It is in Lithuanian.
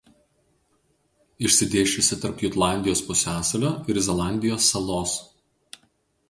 Išsidėsčiusi tarp Jutlandijos pusiasalio ir Zelandijos salos.